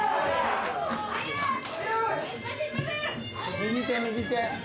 右手右手。